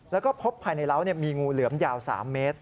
แล้วก็พบภายในเล้ามีงูเหลือมยาว๓เมตร